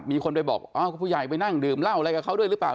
มีคนไปบอกอ้าวผู้ใหญ่ไปนั่งดื่มเหล้าอะไรกับเขาด้วยหรือเปล่า